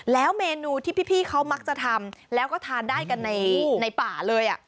แล้วเมนูที่พี่เขามักจะทำแล้วก็ทานได้กันในป่าเลย